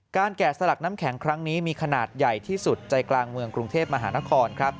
แกะสลักน้ำแข็งครั้งนี้มีขนาดใหญ่ที่สุดใจกลางเมืองกรุงเทพมหานคร